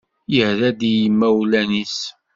Yerra-d i yimawlan-is.